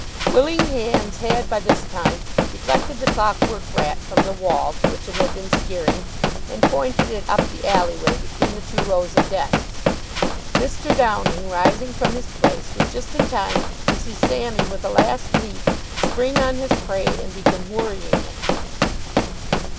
Willing hands had by this time deflected the clockwork rat from the wall to which it had been steering, and pointed it up the alley way between the two rows of desks. Mr. Downing, rising from his place, was just in time to see Sammy with a last leap spring on his prey and begin worrying it.